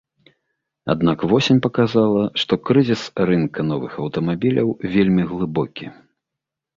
Аднак восень паказала, што крызіс рынка новых аўтамабіляў вельмі глыбокі.